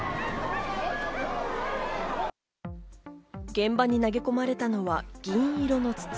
現場に投げ込まれたのは銀色の筒。